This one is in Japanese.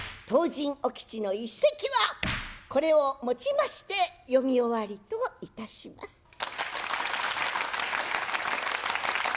「唐人お吉」の一席はこれをもちまして読み終わりといたします。